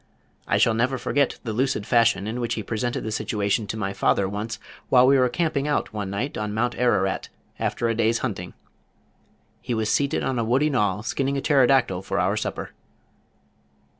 I shall never forget the lucid fashion in which he presented the situation to my father once while we were camping out one night on Mount Ararat, after a day's hunting. He was seated on a woody knoll skinning a pterodactyl for our supper.